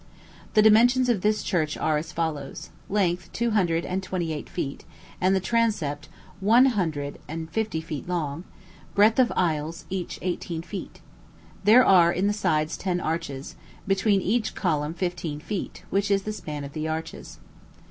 The dimensions of this church are as follows: length, two hundred and twenty eight feet, and the transept one hundred and fifty feet long; breadth of the aisles, each eighteen feet. There are in the sides ten arches; between each column fifteen feet, which is the span of the arches.